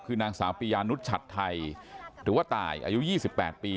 คือนางสาวปียานุชชัดไทยหรือว่าตายอายุ๒๘ปี